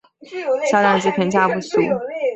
销量及评价不俗。